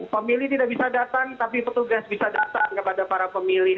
pemilih tidak bisa datang tapi petugas bisa datang kepada para pemilih